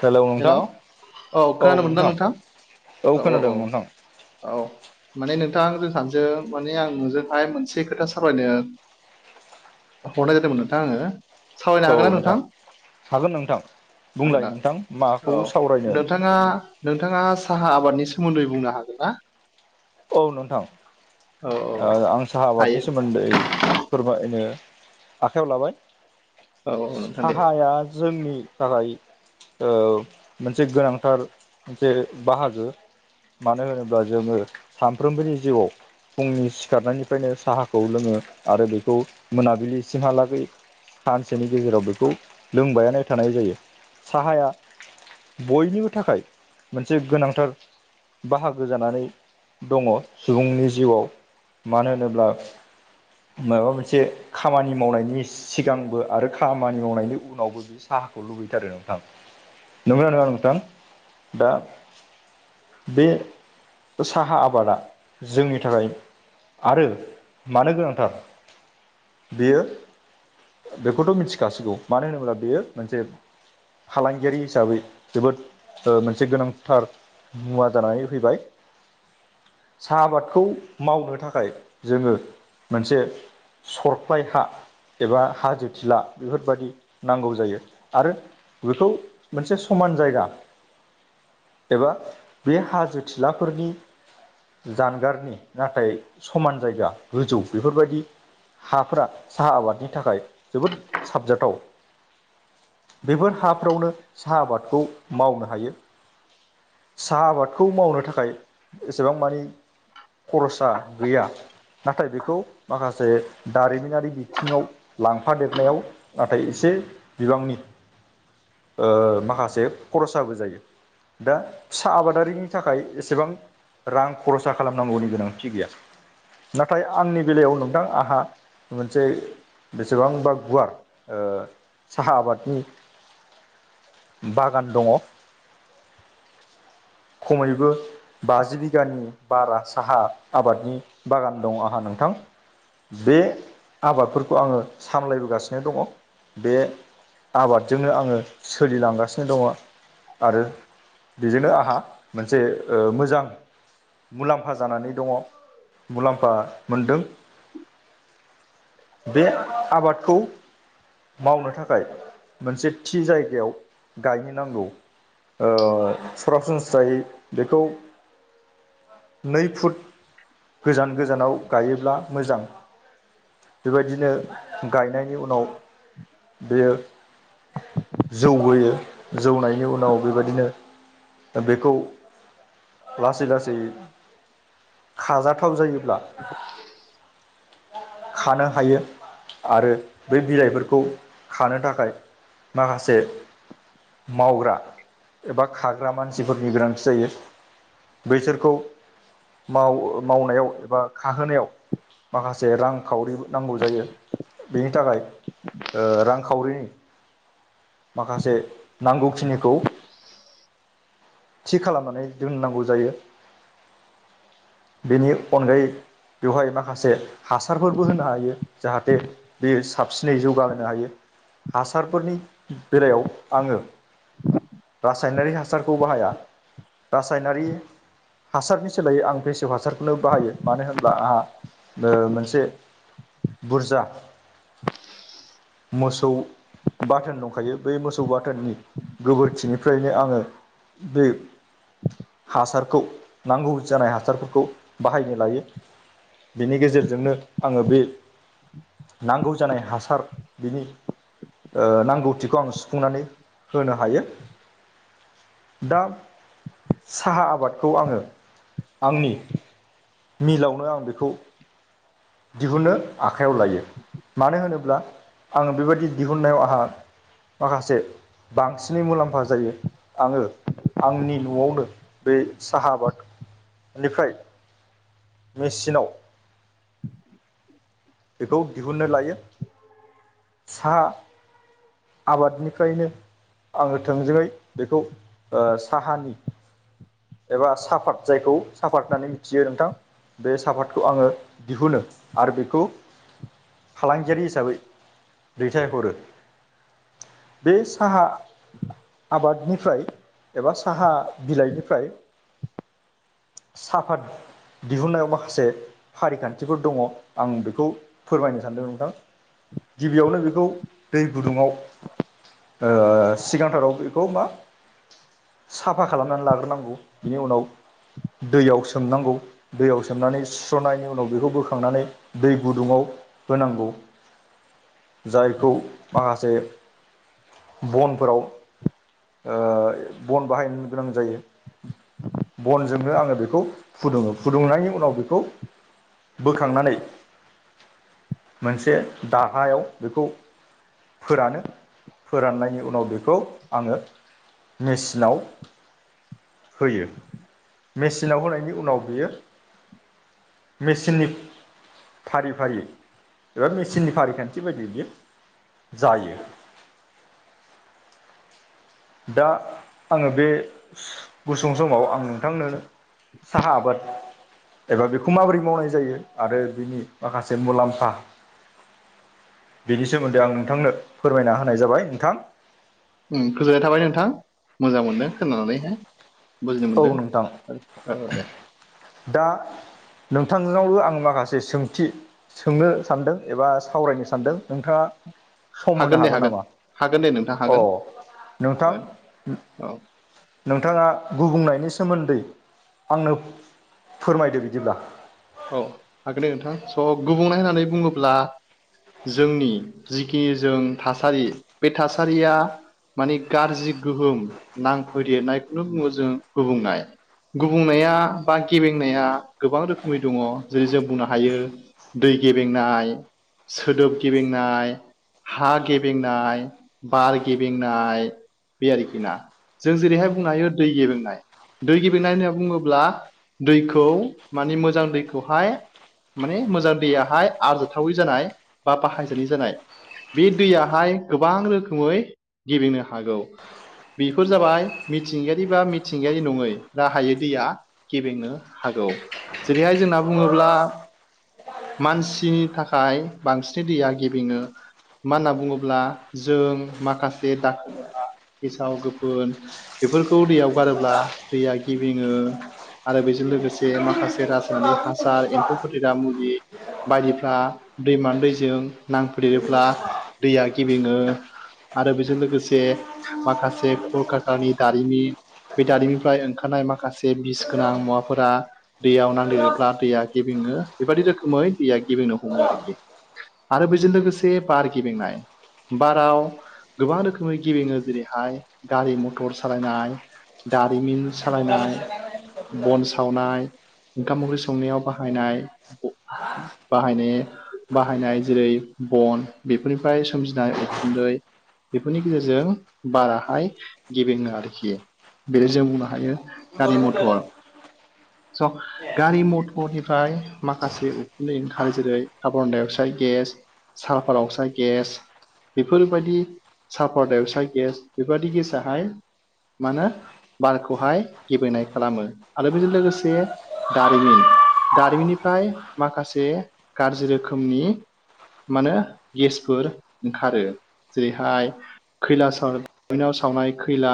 Hello नोंथां hello औ खोनादों मोनदां नोंथां औ खोनादों औ नोंथां औ औ माने नोंथां जों सानसै माने आं नोजोंहाय मोनसे खोथा सावरायनो हरनाय जादोंमोन नोंथां आङो सावरायनो हागोन ना नोंथां हागोन नोंथां बुंलाय हागोना नोंथां औ माखौ सावरायनो नोंथाङा नोंथाङा साहा आबादनि सोमोन्दै बुंनो हागोन ना औ नोंथां औ औ ओह आं साहा हायो आबादनि सोमोन्दै फोरमायनो आखाइयाव लाबाय औ औ नोंथां दे साहाया जोंनि थाखाय औ मोनसे गोनांथार मोनसे बाहागो मानो होनोब्ला जोङो सानफ्रोमबोनि जिउआव फुंनि सिखारनायनिफ्रायनो साहाखौ लोङो आरो बेखौ मोनाबिलिसिमहालागै सानसेनि गेजेराव बेखौ लोंबायानो थानाय जायो साहाया बयनिबो थाखाय मोनसे गोनांथार बाहागो जानानै दङ सुबुंनि जिउआव मानो होनोब्ला माबा मोनसे खामानि मावनायनि सिगांबो आरो खामानि मावनायनि उनावबो साहाखौ लुबैथारो नोंथां नंगौ ना नङा नोंथां दा बे साहा आब आबादा जोंनि थाखाय आरो मानो गोनांथार बेयो बेखौथ' मिथिखासिगौ मानो होनोब्ला बेयो मोनसे फालांगियारि हिसाबै जोबोद ओह मोनसे गोनांथार मुवा जानानै फैबाय साहा आबादखौ मावनो थाखाय जोङो मोनसे सरफ्लाय हा एबा हाजोथिला बेफोरबायादि नांगौ जायो आरो बेखौ मोनसे समान जायगा एबा बे हाजो थिलाफोरनि जानगारनि नाथाय समान जायगा गोजौ बेफोरबायदि हाफोरा साहा आबादनि थाखाय जोबोद साबजाथाव बेफोर हाफ्रावनो साहा आबादखौ मावनो हायो साहा आबादखौ मावनो थाखाय एसेबां मानि खरसा गैया नाथाय बेखौ माखासे दारिमिनारि बिथिङाव लांफादेरनायाव नाथाय एसे बिबांनि ओ माखासे खरसाबो जायो दा फिसा आबादारिनि थाखाय एसेबां रां खरसा खालामनांगौनि गोनांथि गैया नाथाय आंनि बेलायाव नोंथां आहा मोनसे बेसेबांबा गुवार ओ साहा आबादनि बागान दङ खमैबो बाजि बाजि बिगानि बारा साहा आबादनि बागान दं आंहा नोंथां बे आबादफोरखौ आङो सामलायबोगासिनो दङ बे आबादजोंनो आङो सोलिलांगासिनो दङ आरो बेजोंनो आंहा मोनसे ओ मोजां मुलाम्फा जानानै दङ मुलाम्फा मोनदों बे आबादखौ मावनो थाखाय मोनसे थि जायगायाव गायनो नांगौ ओ सरासनस्रायै बेखौ नै फुट गोजान गोजानाव गायोब्ला मोजां बेबायदिनो गायनायनि उनाव बेयो जौबोयो जौनायनि उनाव बेबायदिनो बेखौ लासै लासै खाजाथाव जायोब्ला [inaudible] खानो हायो आरो बै बिलाइफोरखौ खानो थाखाय माखासे मावग्रा एबा खाग्रा मानसिफोरनि गोनांथि जायो बैसोरखौ मावनायाव एबा खाहोनायाव माखासे रां खावरि नांगौ जायो बेनि थाखाय ओ रांखावरि माखासे नांगौखिनिखौ थि खालामनानै दोननांगौ जायो बेनि अनगायै बेवहाय माखासे हासारफोरबो होनो हायो जाहाथे बेयो साबसिनै जौगाहोनो हायो हासारफोरनि बेलायाव आङो रासायनारि हासारखौ बाहाया रासायनारि हासारनि सोलायै आं फेसेव हासारखौनो बाहायो मानो होनब्ला आंहा मोनसे बुरजा मोसौ बाथोन दंखायो बै मोसौ बाथोननि गोबोरखिनिफ्रायनो आङो बे हासारखौ नांगौ जानाय हासारफोरखौ बाहायनो लायो बेनि गेजेरजोंनो आङो बे नांगौ जानाय हासार बिनि नांगौथिखौ आं सुफुंनानै होनो हायो दा साहा आबादखौ आङो आंनि मिलावनो आं बेखौ दिहुनो आखाइयाव लायो मानो होनोब्ला आङो बेबायदि दिहुननायाव आंहा माखासे बांसिनै मुलाम्फा जायो आङो आंनि न'आवनो बे साहा आबादनिफ्राय मेचिनाव बेखौ दिहुननो लायो साहा आबादनिफ्रायनो आङो थोंजोङै बेखौ‌ साहानि एबा साफात जायखौ साफात होननानै मिथियो नोंथां बे साफातखौ आङो दिहुनो आर बेखौ फालांगियारि हिसाबै दैथायहरो बे साहा आबादनिफ्राय एबा साहा बिलाइनिफ्राय साफात दिहुनन्नायाव माखासे फारिखान्थिफोर दङ आं बेखौ फोरमायनो सानदों नोंथां। गिबियावनो बेखौ दै गुदुङाव ओ सिगांथाराव बेखौ मा साफा खालामनानै लाग्रोनांगौ। बिनि उनाव दैयाव सोमनांगौ। दैयाव सोमनानै सुस्र'नायनि उनाव बेखौ बोखांनानै दै गुदुङाव होनांगौ। जायखौ माखासे बनफोराव ओ बन बाहायनो गोनां जायो। बनजोंनो आङो बेखौ फुदुङो। फुदुंनायनि उनाव बेखौ बोखांनानै मोनसे दाहायाव बेखौ फोरानो फोराननायनि उनाव बेखौ आङो मेसिनाव होयो। मेसिनाव होनायनि उनाव बियो मेसिननि फारि फारि एबा मेचननि फारिखान्थि बायदि बियो जायो। दा आङो बे गुसुं समाव आं नोंथांनो साहा आबाद एबा बेखौ माबोरै मावनाय जायो आरो बिनि माखासे मुलाम्फा बेनि सोमोन्दै आं नोंथांनो फोरमायना होनाय जाबाय नोंथां। उम गोजोननाय थाबाय नोंथां मोजां मोनदों खोनानानैहाय। बुजिनो औ मोनदों नोंथां औ दे दा नोंथांनावबो आं माखासे सोंथि सोंनो सानदों एबा सावरायनो सानदों नोंथाङा सम होनो दे हागोन नामा? हागोन दे नोंथां अ हागोन नोंथां हागोन औ नोंथाङा गुबुंनायनि सोमोन्दै आंनो फोरमायदो बिदिब्ला। औ हागोन दे नोंथां। स' गुबुंनाय होननानै बुङोब्ला जोंनि जिखिनि जों थासारि बे थासारिया माने गाज्रि गोहोम नांफैदेरनायखौनो बुङो जोङो गुबुंनाय। गुबुंनाया बा गेबेंनाया गोबां रोखोम- नि दङ। जेरै जों बुंनो हायो दै गेबेंनाय सोदोब गेबेंनाय हा गेबेंनाय, बार गेबेंनाय बे आरोखि ना। जों जेरैहाय बुंनो हायो दै गेबेंनाय दै गेबेंनाय होनना बुङोब्ला दैखौ माने मोजां दैखौहाय माने मोजां दैयाहाय आरजाथावै जानाय बा बाहायजायै जानाय बे दैयाहाय गोबां रोखोमै गेबेंनो हागौ। बेफोर जाबाय मिथिंगायारि बा मिथिंगायारि नङै राहायै दैया गेबेंनो हागौ जेरैहाय जोंना बुङोब्ला मानसिनि थाखाय बांसिनै दैया गेबेङो मा होनना बुङोब्ला जों माखासे दाखा-दाखा गेसाव-गोफोन बेफोरखौ दैयाव गारोब्ला दैया गिबिङो आरो बेजों लोगोसे माखासे रासायनिक हासार एम्फौ फोथा मुलि बायदिफ्रा दैमा दैजों नांफोदेरोब्ला दैया गेबेङो आरो बेजों लोगोसे माखासे कलकारकानानि दारिमि बे दारिमनिफ्राय ओंखारनाय माखासे बिस गोनां मुवाफोरा दैयाव नांदेरोब्ला दैया गेबेङो बेबादि रोखोमै दैया गिबेंनो हमो आरोखि। आरो बेजों लोगोसे बार गेबेंनाय बाराव गोबां रोखोमै गेबेङो। जेरैहाय गारि-मथर सालायनाय दारिमिन सालायनाय बन सावनाय ओंखाम ओंख्रि संनायाव बाहायनाय बाहायनाय बाहायनाय जेरै बन बेफोरनिफ्राय सोमजिनाय उखुन्दै बेफोरनि गेजेरजों बाराहाय गेबेङो आरोखि बेदि जों बुंनो हायो गारि मथर स' गारि मथरनिफ्राय माखासे उखुनदै ओंखारो जेरै carbon dioxide gas sulphur oxide gas बेफोरबायदि सालफार डाइ आक्साइड गेस बेफोरबायदि गेसाहाय मा होनो बारखौहाय गिबेंनाय खालामो आरो बेजों लोगोसे दारिमिन दारिमिननिफ्राय माखासे गाज्रि रोखोमनि मानो गेसफोर ओंखारो जेरैहाय खैला सावनाव सावनाय खैला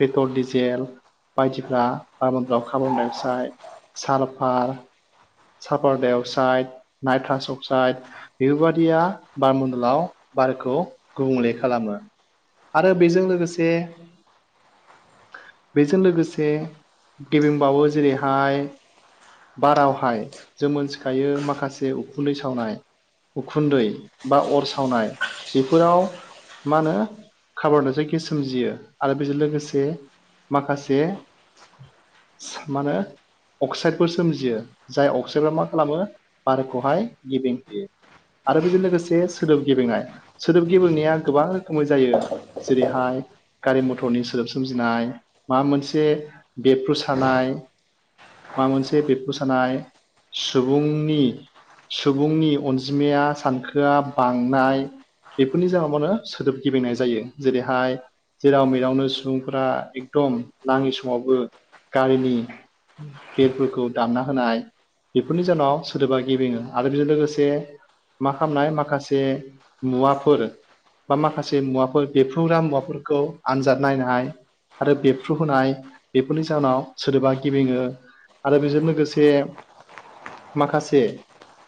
पेट्रल डिजेल बायदिफ्रा गाबोनफ्राव कारबनडाइ अकसाइड फ्राय sulphur sulphur dioxide nitrous oxide बेफोरबादिया बारमडलाव बारखौ गुबुंले खालामो आरो बेजों लोगोसे बेजों लोगोसे गेबेंबावो जेरैहाय बारावहाय जों मोनथिखायो माखासे उखुन्दै सावनाय उखुन्दै बा अर सावनाय बेफोराव मा होनो खारबनडाइ आक्साइड गेस सोमजियो आरो बेजों लोगोसे माखासे मा होनो अक्साइड फोर सोमजियो जाय अक्साइडफ्रा मा खालामो बारखौहाय गिबें होयो आरो बेजों लोगोसे सोदोब गेबेंनाय सोदोब गेबेंनाया गोबां‌ रो खनि जायो जेरैहाय गारि मथरनि सोदोब सोमजिनाय माबा मोनसे बेफ्रुसारनाय माबा मोनसे बेरफ्रुसानाय सुबुंनि सुबुंनि अनजिमाया सानखोआ बांनाय बेफोरनि जाहाव माहोनो सोदोब गिबेंनाय जायो जेरैहाय जेराव मेरावनो सुबुंफोरा एकदम नाङि समावबो गारिनि बेरफोरखौ दानना होनाय बेफोरनि जाहोनाव सोदोबा गेबेङो आरो बेजों लोगोसे मा खालामनाय माखासे मुवाफोर बा माखासे मुवाफोर बेफ्रुग्रा मुवाफोरखौ आनजाद नायनो आरो बेफ्रु होनाय बेफोरनि जाउनाव सोदोबा गेबेङो आरो बेजों लोगोसे माखासे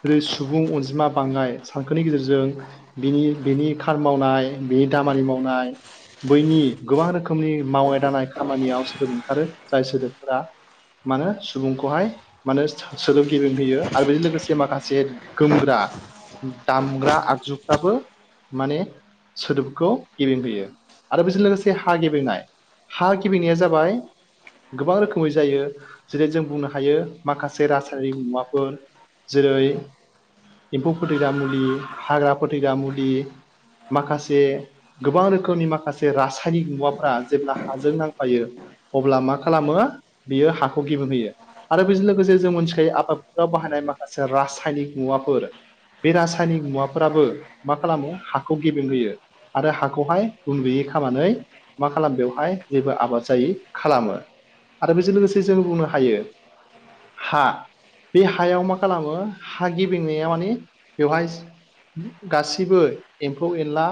जेरै सुबुं अनजिमा बांनाय सानखोनि गेजेरजों बिनि बेनि खाम मावनाय बिनि दामानि मावनाय बैनि गोबां रोखोमनि मावनाय दांनाय खामानियाव सोदोब ओंखारो जाय सोदोबफोरा मानो सुबुंखौहाय मानो सो-सोदोब गेबेंहोयो आरो बेजों लोगोसे माखासे गोमग्रा दामग्रा आगजुफ्राबो माने सोदोबखौ गेबेंहोयो आरो बेजों लोगोसे हा गेबेंनाय हा गिबिनाया जाबाय गोबां रोखोमै जायो जेरै जों बुंनो हायो माखासे रासायारि मुवाफोर जेरै एम्फौ फोथैग्रा मुलि हाग्रा फोथैग्रा मुलि माखासे गोबां रोखोमनि माखासे रासायनिक मुवाफोरा जेब्ला हाजों नांफायो अब्ला मा खालामो बियो हाख खौ गेबें होयो आरो बेजों लोगोसे जों मोनथिखायो आबादफोराव बाहायनाय माखासे रासायनिक मुवाफोर बे रासायनिक मुवाफोराबो मा खालामो हाखौ गेबेेंहोयो आरो हाखौहाय गन गैयै खामनानै मा खालामो बेवहाय जेबो आबाद जायै खालामो आरो बेजों लोगोसे जों बुंनो हायो हा बे हायाव मा खालामो हा गेबेंनाया माने बेवहाय गासिबो एम्फौ एनला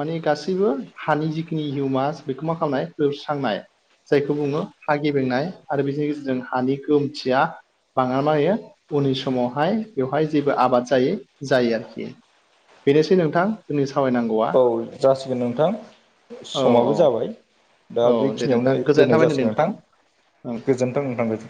माने गासैबो हानि जिखिनि हिउमास बेखौ मा खालामनाय [unintelligible] स्रांनाय जायखौ बुङो हा गेबेंनाय आरो बेनि गेजेरजों हानि गोहोमथिया बाङा मायो उननि समावहाय बेवहाय जेबो आबाद जायो जायो आरोखि। बेनोसै नोंथां जोंनि सावरायनां औ जासिगोन नोंथां। औ औ समाबो जाबाय दा औ दे नोंथां बेखिनियावनो गोजोननाय दोननाय थाबाय जासिगोन थां नोंथां ओं गोजोनथों नोंथां।